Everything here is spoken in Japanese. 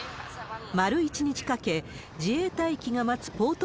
丸一日かけ、自衛隊機が待つポート